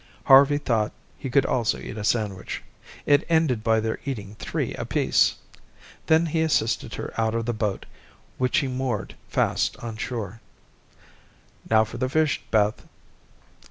Harvey thought he could also eat a sandwich. It ended by their eating three apiece. Then he assisted her out of the boat, which he moored fast on shore. "Now for the fish, Beth."